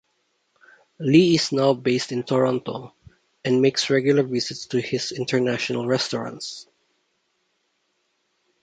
Lee is now based in Toronto, and makes regular visits to his international restaurants.